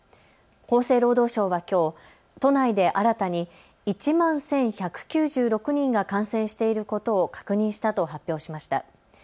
厚生労働省はきょう都内で新たに１万１１９６人が感染していることを確認したと発表しました。